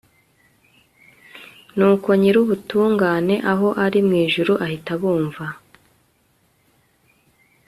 nuko nyir'ubutungane aho ari mu ijuru ahita abumva